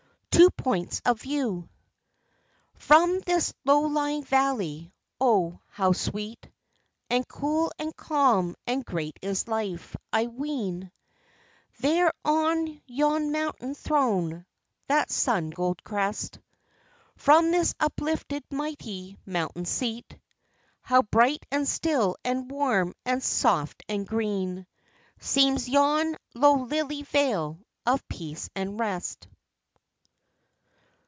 TWO POINTS OF VIEW From this low lying valley; Oh, how sweet And cool and calm and great is life, I ween, There on yon mountain throne that sun gold crest! From this uplifted, mighty mountain seat: How bright and still and warm and soft and green Seems yon low lily vale of peace and rest!